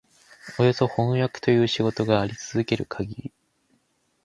およそ飜訳という仕事があり続けるかぎり、